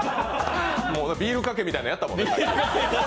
ビールかけみたいのやったもんね。